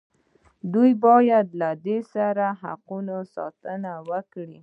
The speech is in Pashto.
دوی باید له دې حقوقو ساتنه وکړي.